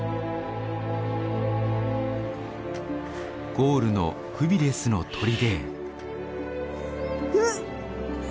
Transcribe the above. ゴールのフビレスの砦へ。